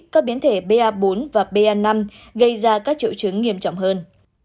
các biến thể ba bốn và pa năm gây ra các triệu chứng nghiêm trọng hơn